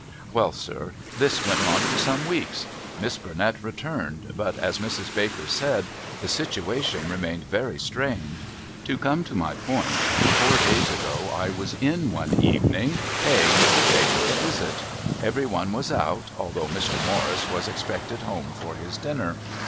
"Well, sir, this went on for some weeks. Miss Burnett returned, but, as Mrs. Baker said, the situation remained very strained. To come to my point, four days ago I was in one evening paying Mrs. Baker a visit. Every one was out, although Mr. Morris was expected home for his dinner.